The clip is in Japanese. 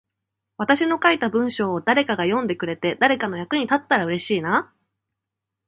私の書いた文章を誰かが読んでくれて、誰かの役に立ったら嬉しいな。